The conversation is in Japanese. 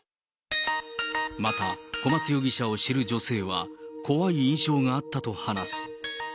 また、小松容疑者を知る女性は、怖い印象があったと話す。